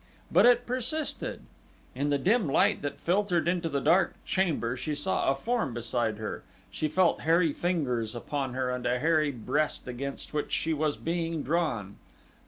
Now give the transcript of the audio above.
But it persisted. In the dim light that filtered into the dark chamber she saw a form beside her, she felt hairy fingers upon her and a hairy breast against which she was being drawn.